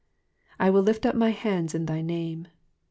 '*/ w'dl lift up my liands in thy name.'''